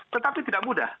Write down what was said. tetapi tidak mudah